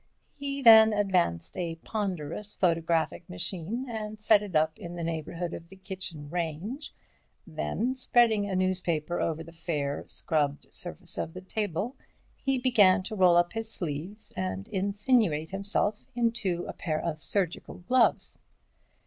He then advanced a ponderous photographic machine and set it up in the neighbourhood of the kitchen range; then, spreading a newspaper over the fair, scrubbed surface of the table, he began to roll up his sleeves and insinuate himself into a pair of surgical gloves.